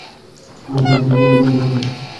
বন্ধু - বন্ধু।